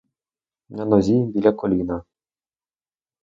На нозі, біля коліна.